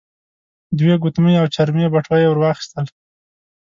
دوې ګوتمۍ او چرمې بټوه يې ور واخيستل.